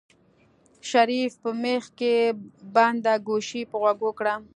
شريف په مېخ کې بنده ګوشي په غوږو کړه.